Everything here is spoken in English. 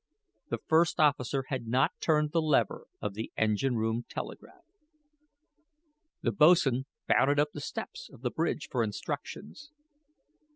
The first officer had not turned the lever of the engine room telegraph. The boatswain bounded up the steps of the bridge for instructions.